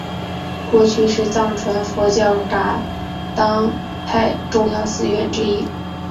过去是藏传佛教噶当派重要寺院之一。